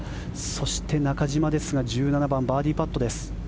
そして、中島ですが１７番、バーディーパットです。